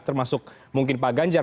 termasuk mungkin pak ganjar